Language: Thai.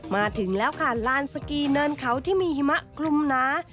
มาถึงแล้วค่ะลานสกีเนินเขาที่มีหิมะคลุมหนา